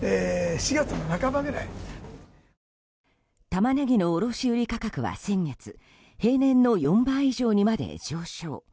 タマネギの卸売価格は先月平年の４倍以上にまで上昇。